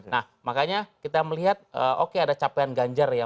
nah makanya kita melihat oke ada capaian ganjar ya